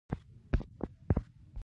زېرمې خوندي کړه.